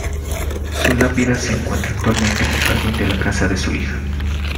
Su lápida se encuentra actualmente en el jardín de la casa de su hija.